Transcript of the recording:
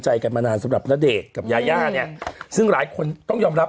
แหละแหละแหละแหละแหละแหละแหละแหละแหละแหละแหละ